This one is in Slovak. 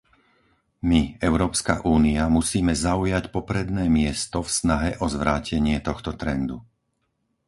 My, Európska únia, musíme zaujať popredné miesto v snahe o zvrátenie tohto trendu.